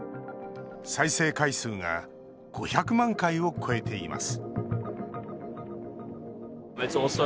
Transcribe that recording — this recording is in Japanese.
再生回数が５００万回を超えています